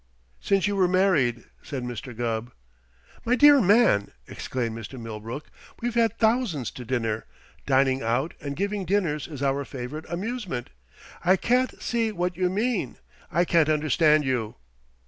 "Since you were married," said Mr. Gubb. "My dear man," exclaimed Mr. Millbrook, "we've had thousands to dinner! Dining out and giving dinners is our favorite amusement. I can't see what you mean. I can't understand you."